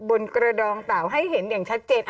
บนกระดองเต่าให้เห็นอย่างชัดเจน